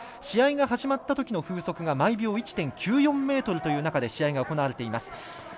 試合が始まったときの風速が毎秒１．９４メートルという中で試合が行われています。